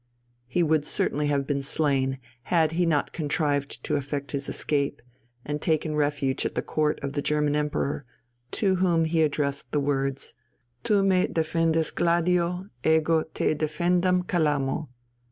He would certainly have been slain, had he not contrived to effect his escape, and taken refuge at the court of the German emperor, to whom he addressed the words, "Tu me defendas gladio, ego te defendam calamo."